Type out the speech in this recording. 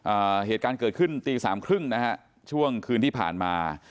อ่าเหตุการณ์เกิดขึ้นตีสามครึ่งนะฮะช่วงคืนที่ผ่านมา